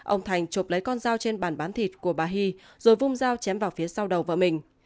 ông thành trộm lấy con dao trên bàn bán thịt của bà hy rồi vung dao chém vào phía sau đầu và mình